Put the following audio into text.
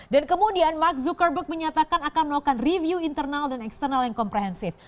dan kemudian mark zuckerberg menyatakan akan melakukan review internal dan eksternal yang komprehensif